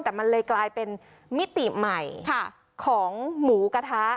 แต่มันเลยกลายเป็นมิติใหม่ของหมูกระทะ